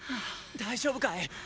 大丈夫かい？